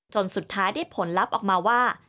สุดท้ายได้ผลลัพธ์ออกมาว่า